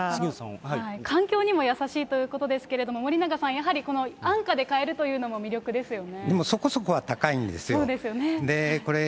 環境にも優しいということですけれども、森永さん、やはりこの安価で買えるというのも魅力ですよね。